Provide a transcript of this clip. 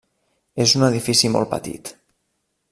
És un edifici molt petit.